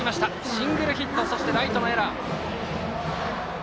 シングルヒットにライトのエラー。